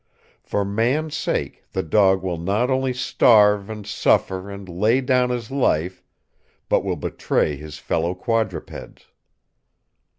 For Man's sake the dog will not only starve and suffer and lay down his life, but will betray his fellow quadrupeds.